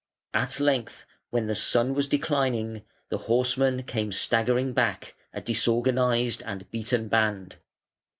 At length, when the sun was declining, the horsemen came staggering back, a disorganised and beaten band.